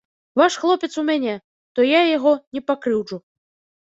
Ваш хлопец у мяне, то я яго не пакрыўджу.